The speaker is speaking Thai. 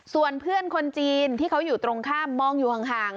ส่วนเพื่อนคนจีนที่เขาอยู่ตรงข้ามมองอยู่ห่าง